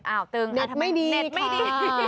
อ้าวตึงอ่ะทำไมเน็ตไม่ดี